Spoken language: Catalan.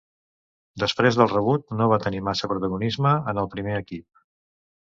Després del debut no va tenir massa protagonisme en el primer equip.